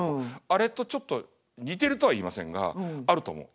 あれとちょっと似てるとは言いませんがあると思う。